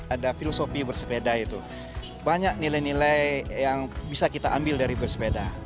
ada filosofi bersepeda itu banyak nilai nilai yang bisa kita ambil dari bersepeda